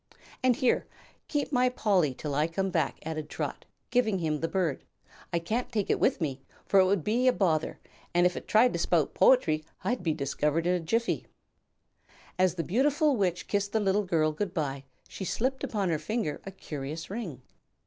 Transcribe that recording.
"And here keep my polly till I come back," added Trot, giving him the bird. "I can't take it with me, for it would be a bother, an' if it tried to spout po'try I'd be discovered in a jiffy." As the beautiful Witch kissed the little girl good bye she slipped upon her finger a curious ring.